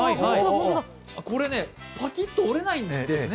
これ、パキッと折れないんですね